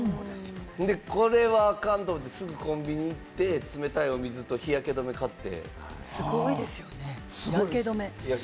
これはあかんと思って、すぐコンビニに行って、冷たいお水と日焼け止め買って。